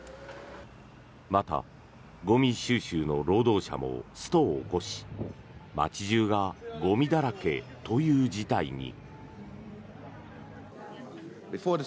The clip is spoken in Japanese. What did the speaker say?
また、ゴミ収集の労働者もストを起こし街中がゴミだらけという事態に。